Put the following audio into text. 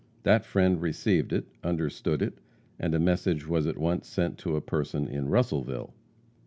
That friend received it, understood it, and a message was at once sent to a person in Russellville.